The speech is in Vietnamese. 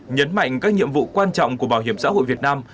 nhấn mạnh các nhiệm vụ quan trọng của bảo hiểm xã hội việt nam